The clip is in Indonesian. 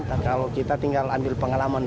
nah kalau kita tinggal ambil pengalaman